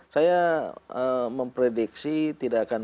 saya memprediksi tidak akan